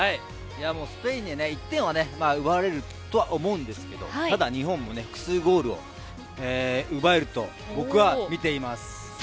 スペインに１点は奪われるとは思うんですけどただ日本も２ゴールを奪えると僕は見ています。